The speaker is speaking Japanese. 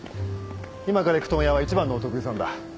今から行く問屋は一番のお得意さんだ。